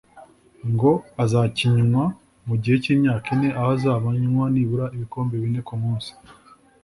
ngo azakinywa mu gihe cy’imyaka ine aho azajya anywa nibura ibikombe bine ku munsi